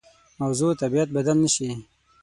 موضوع طبیعت بدل نه شي.